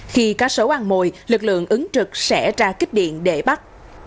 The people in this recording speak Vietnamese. khi cá sấu ăn mồi lực lượng ứng trực sẽ ra kích điện để bắt